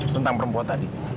tentang perempuan tadi